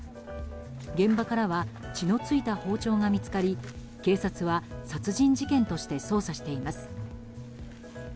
現場からは血の付いた包丁が見つかり警察は殺人事件として捜査しています。